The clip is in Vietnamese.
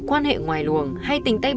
quan hệ ngoài luồng hay tình tay ba